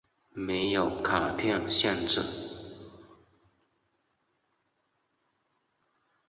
没有卡片限制。